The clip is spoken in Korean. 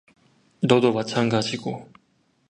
너도 마찬가지고.